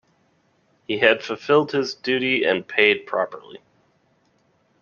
He had fulfilled his duty and paid properly.